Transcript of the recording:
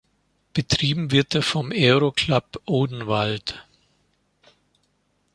Betrieben wird er vom Aero Club Odenwald.